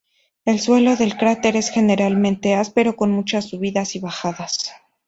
El suelo del cráter es generalmente áspero, con muchas subidas y bajadas.